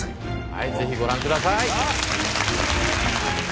はいぜひご覧ください。